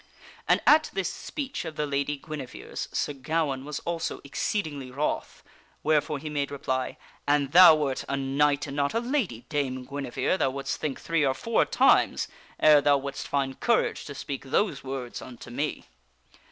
And at this speech of the Lady Guinevere's, Sir Gawaine was also exceedingly wroth, wherefore he made reply :" An thou wert a knight and not a lady, Dame Guinevere, thou wouldst think three or four times ere thou wouldst find courage to speak those words unto me."